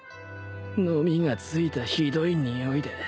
ノミがついたひどい臭いで